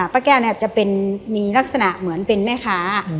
ป้าแก้วเนี่ยจะเป็นมีลักษณะเหมือนเป็นแม่ค้า